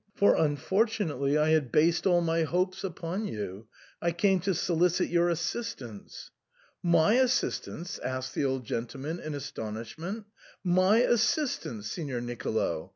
For unfortu nately — I had based all my hopes upon you. I came to solicit your assistance." " My assistance ?" asked the old gentleman in as tonishment. My assistance, Signor Nicolo